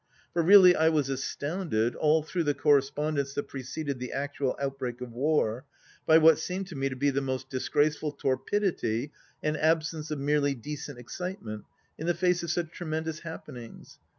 For really I was astounded, all through the correspondence that preceded the actual outbreak of war, by what seemed to me to be the most disgraceful torpidity and absence of merely decent excitement in the face of such tremendous happenings.